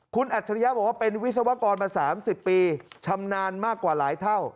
คุณอัจฉริยะบอกว่าเป็นวิศวกรมา๓๐ปีชำนาญมากกว่าหลายเท่า